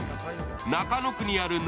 中野区にある沼